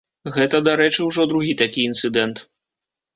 Гэта, дарэчы, ужо другі такі інцыдэнт.